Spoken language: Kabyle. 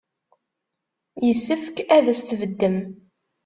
Yessefk ad as-tbeddem.